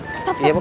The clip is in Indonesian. pak sep pak sep